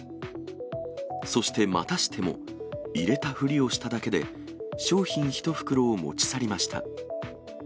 そしてまたしても、入れたふりをしただけで、商品１袋を持ち去りました。